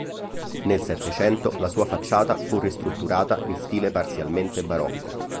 Nel Settecento la sua facciata fu ristrutturata in stile parzialmente barocco.